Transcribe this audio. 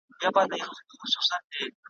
ابوجهل به یې ولي د منبر سرته ختلای ,